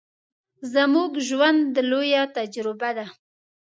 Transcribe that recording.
زموږ ژوند، لويه تجربه ده.